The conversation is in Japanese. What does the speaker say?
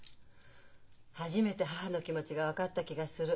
初めて母の気持ちが分かった気がする。